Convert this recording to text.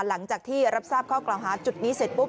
หลังจากที่รับทราบข้อกล่าวหาจุดนี้เสร็จปุ๊บ